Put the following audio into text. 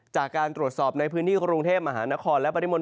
จากการตรวจสอบในพื้นที่กรุงเทพมหานครและปริมณฑ